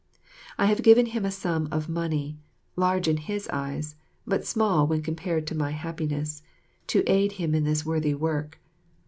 I have given him a sum of money, large in his eyes but small when compared to my happiness, to aid him in this worthy work.